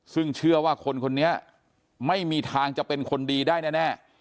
ซึ่งเชื่อว่าคนคนนี้ไม่มีทางจะเป็นคนดีได้แน่